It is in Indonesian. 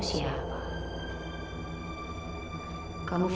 ikut apa vadi gakut